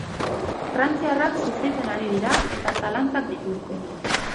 Frantziarrak sufritzen ari dira eta zalantzak dituzte.